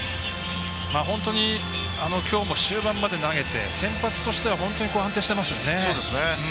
本当に、きょうも終盤まで投げて先発としては本当に安定していますよね。